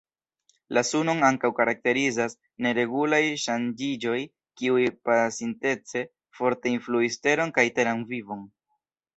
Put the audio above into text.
La Sunon ankaŭ karakterizas neregulaj ŝanĝiĝoj kiuj, pasintece, forte influis Teron kaj teran vivon.